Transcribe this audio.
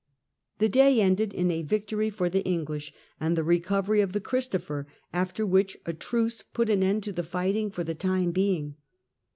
The day ended in a victory for the English and the recovery of the Christopher, after which a truce put an end to the fighting for the time being.